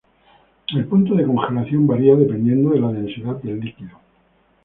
El punto de congelación varía dependiendo de la densidad del líquido.